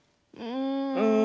うん。